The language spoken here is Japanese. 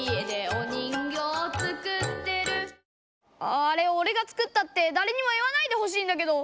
あああれおれが作ったってだれにも言わないでほしいんだけど。